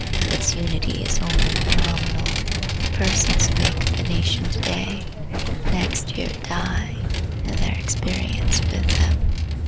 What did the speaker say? Its unity is only phenomenal. The persons who make up a nation to day, next year die, and their experience with them.